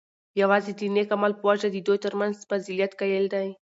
یواځی د نیک عمل په وجه د دوی ترمنځ فضیلت قایل دی،